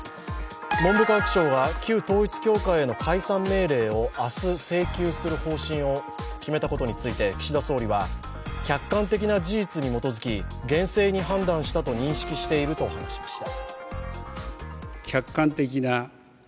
文部科学省は旧統一教会への解散命令を明日、請求する方針を決めたことについて岸田総理は、客観的な事実に基づき厳正に判断したと認識していると語りました。